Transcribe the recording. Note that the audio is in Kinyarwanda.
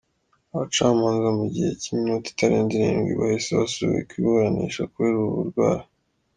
Abacamanza mu gihe cy’iminota itarenze irindwi bahise basubika iburanisha kubera ubu burwayi.